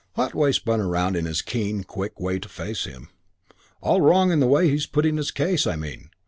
Otway spun around in his keen, quick way to face him. "All wrong in the way he's putting his case, I mean.